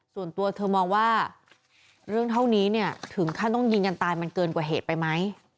ส่วนตัวเธอมองว่าเรื่องเท่านี้เนี่ยถึงขั้นต้องยิงกันตายมันเกินกว่าเหตุไปไหม